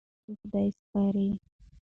پاتې په خدای سپارئ.